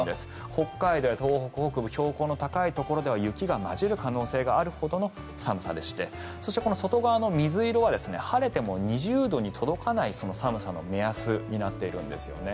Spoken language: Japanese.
北海道や東北北部標高の高いところでは雪が交じる可能性があるほどの寒さでしてそしてこの外側の水色は晴れても２０度に届かない寒さの目安になっているんですよね。